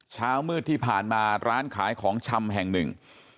เช้ามืดที่ผ่านมาร้านขายของชำแห่งหนึ่ง